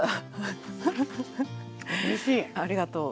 ありがとう。